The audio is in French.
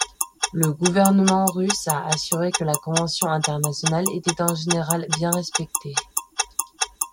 Le gouvernement russe a assuré que la convention internationale était en général bien respectée.